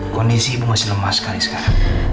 kondisi ibu masih lemah sekali sekarang